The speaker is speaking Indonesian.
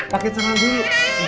pakai celana dulu